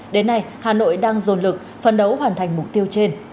đến nay hà nội đang dồn lực phân đấu hoàn thành mục tiêu trên